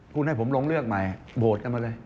คุณให้ผมลงเลือกใหม่โหวตกันมาเลย